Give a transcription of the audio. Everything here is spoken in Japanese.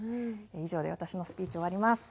以上で私のスピーチを終わります。